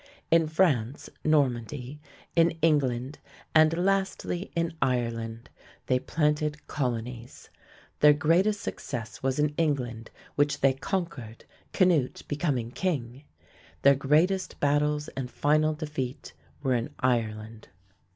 In France (Normandy), in England, and lastly in Ireland they planted colonies. Their greatest success was in England, which they conquered, Canute becoming king. Their greatest battles and final defeat were in Ireland.